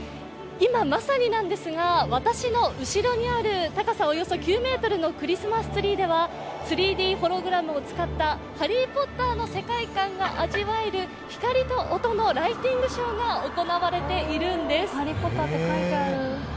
今、まさになんですが、私の後ろにある高さおよそ９ｍのクリスマスツリーでは３Ｄホログラムを使った「ハリー・ポッター」の世界観が味わえる光と音のライティングショーが行われているんです。